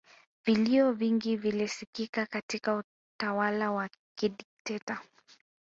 vilio vingi vilisikika katika utawala wa kidikteta